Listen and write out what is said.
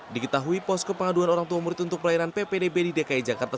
diketahui pos kepengaduan orang tua murid untuk pelayanan ppdb di dki jakarta